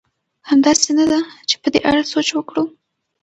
همداسې نه ده؟ چې په دې اړه سوچ وکړو.